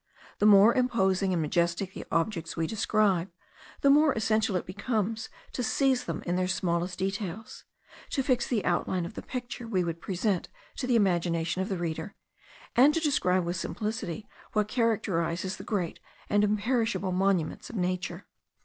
The more imposing and majestic the objects we describe, the more essential it becomes to seize them in their smallest details, to fix the outline of the picture we would present to the imagination of the reader, and to describe with simplicity what characterises the great and imperishable monuments of nature.